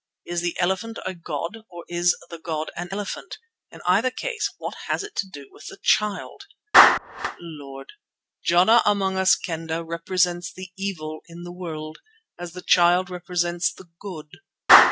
Is the elephant a god, or is the god an elephant? In either case what has it to do with the Child?" "Lord, Jana among us Kendah represents the evil in the world, as the Child represents the good.